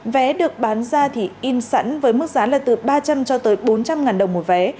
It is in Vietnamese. vé được bán ra thì in sẵn với mức giá là từ ba trăm linh cho tới bốn trăm linh ngàn đồng một vé